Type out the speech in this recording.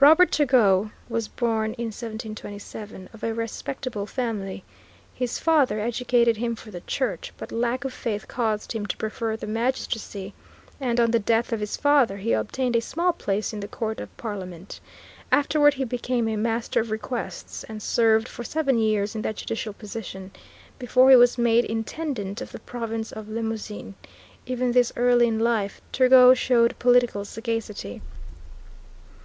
Robert Turgot was born in 1727, of a respectable family. His father educated him for the Church, but lack of faith caused him to prefer the magistracy, and on the death of his father he obtained a small place in the Court of Parliament. Afterward he became a Master of Requests, and served for seven years in that judicial position, before he was made Intendant of the Province of Limousin. Even thus early in life Turgot showed political sagacity.